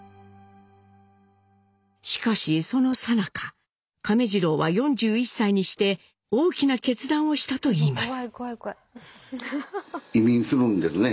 しかしそのさなか亀治郎は４１歳にして大きな決断をしたといいます。